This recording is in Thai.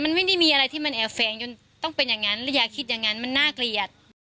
มันไม่ได้มีอะไรที่มันแอบแฟงจนต้องเป็นอย่างนั้นและอย่าคิดอย่างนั้นมันน่าเกลียด